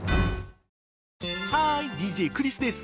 ハーイＤＪクリスです。